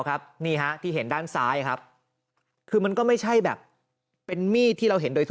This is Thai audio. ครับนี่ฮะที่เห็นด้านซ้ายครับคือมันก็ไม่ใช่แบบเป็นมีดที่เราเห็นโดยท